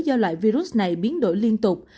do loại virus này biến đổi liên tục